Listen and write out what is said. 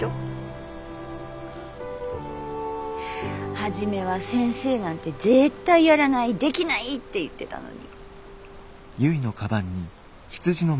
初めは「先生なんて絶対やらないできない」って言ってたのに。